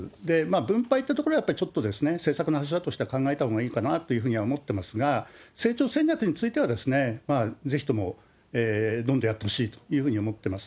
分配ってところは、ちょっと政策の柱としては考えたほうがいいかなと思ってますが、成長戦略については、ぜひともどんどんやってほしいというふうに思ってます。